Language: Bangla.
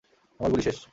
আমার গুলি শেষ!